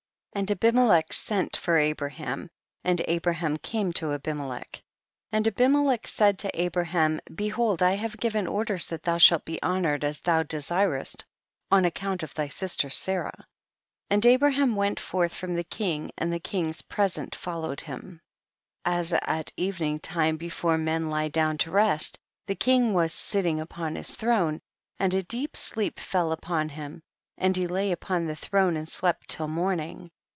9. And Abimelech sent for Abra ham, and Abraham came to Abime lech. 1 0. And Abimelech said to Abra ham, behold I have given orders that thou shalt be honored as thou de sirest on account of thy sister Sarah. 1 1 . And Abraham went forth from the king, and the king's present fol lowed him. 12. As at evening time, before men lie down to rest, the king was sitting upon his throne, and a deep sleep fell upon him, and he lay upon the throne and slept till morning.